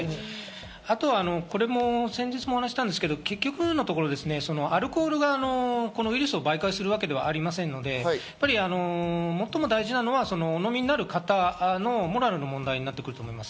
あとは先日もお話しましたが結局のところ、アルコールがウイルスを媒介するわけではありませんので、最も大事なのは、お飲みになる方のモラルの問題になってきます。